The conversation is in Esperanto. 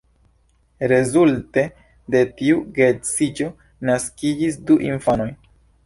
Rezulte de tiu geedziĝo naskiĝis du infanoj.